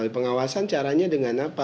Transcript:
pengawasan caranya dengan apa